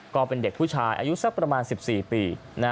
ก็เป็นเด็กผู้ชายอายุสักประมาณ๑๔ปี